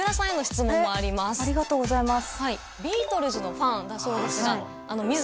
ありがとうございます。